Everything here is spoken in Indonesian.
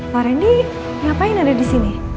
pak randy ngapain ada di sini